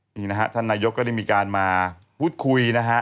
นี่นะฮะท่านนายกก็ได้มีการมาพูดคุยนะฮะ